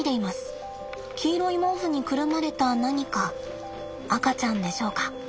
黄色い毛布にくるまれた何か赤ちゃんでしょうか。